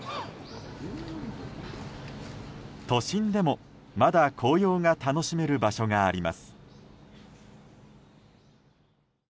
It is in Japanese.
都心でもまだ紅葉が楽しめる場所があります。